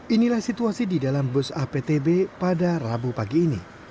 inilah situasi di dalam bus aptb pada rabu pagi ini